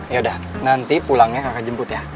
yaudah nanti pulangnya kakak jemput ya